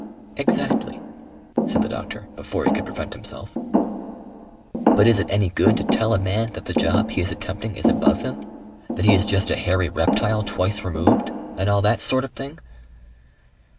"Exactly," said the doctor, before he could prevent himself. "But is it any good to tell a man that the job he is attempting is above him that he is just a hairy reptile twice removed and all that sort of thing?"